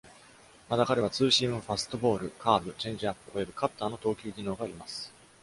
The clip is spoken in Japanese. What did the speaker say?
また彼は、ツーシーム・ファストボール、カーブ、チェンジアップ、およびカッターの投球技能があります。